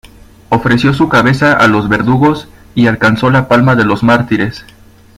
Ofreció su cabeza a los verdugos y alcanzó la palma de los mártires.